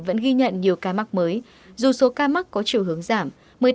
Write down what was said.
vẫn ghi nhận nhiều ca mắc mới dù số ca mắc có chiều hướng giảm